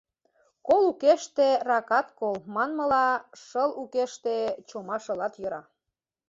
«Кол укеште ракат кол» манмыла, шыл укеште чома шылат йӧра.